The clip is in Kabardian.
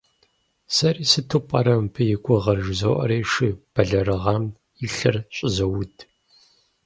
Сэри, сыту пӀэрэ мыбы и гугъэр, жызоӀэри, шы бэлэрыгъам и лъэр щӀызоуд.